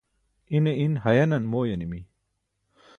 ine in hayanan mooyanimi